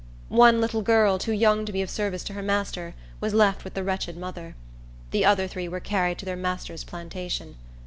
One little girl, too young to be of service to her master, was left with the wretched mother. The other three were carried to their master's plantation.